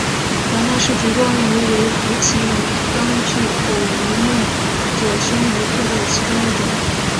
达纳氏烛光鱼为辐鳍鱼纲巨口鱼目褶胸鱼科的其中一种。